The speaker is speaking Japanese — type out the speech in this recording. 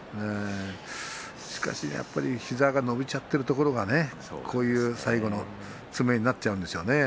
しかしやっぱり膝が伸びちゃっているところがねこういう最後の詰めになっちゃうんですよね。